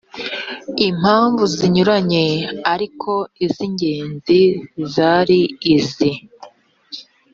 impamvu zinyuranye ariko iz ingenzi zari izi